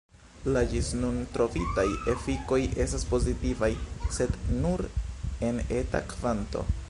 La ĝis nun trovitaj efikoj estas pozitivaj, sed nur en eta kvanto.